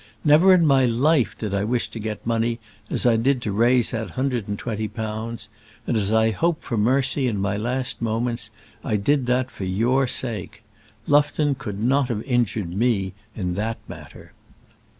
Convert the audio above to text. Never in my life did I wish to get money as I did to raise that hundred and twenty pounds; and as I hope for mercy in my last moments, I did that for your sake. Lufton could not have injured me in that matter."